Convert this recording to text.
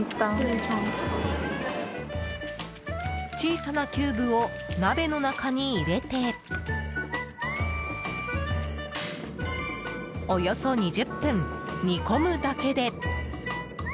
小さなキューブを鍋の中に入れておよそ２０分煮込むだけで。